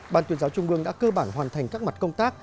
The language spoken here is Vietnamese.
ban tuyên giáo trung ương đã cơ bản hoàn thành các mặt công tác